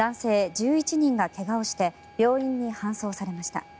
１１人が怪我をして病院に搬送されました。